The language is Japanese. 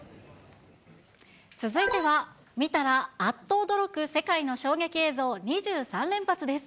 続いては見たらあっと驚く世界の衝撃映像２３連発です。